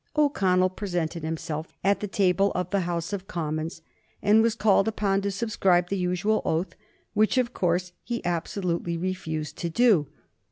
O'Connell presented himself at the table of the House of Commons, and was called upon to subscribe the usual oath, which, of course, he absolutely refused to do.